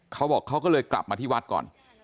เขาบอกเขาก็เลยกลับมาที่วัดก่อน